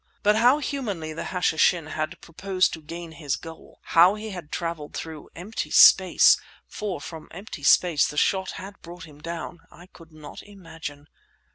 But how humanly the Hashishin had proposed to gain his goal, how he had travelled through empty space—for from empty space the shot had brought him down—I could not imagine.